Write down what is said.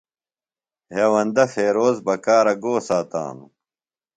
ہیوندہ فیروز بکارہ گو ساتانوۡ؟